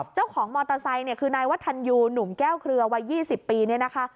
เจ้าของมอเตอร์ไซค์เนี่ยคือนายวัฒนยูหนุ่มแก้วเครือวัย๒๐ปีเนี่ยนะคะ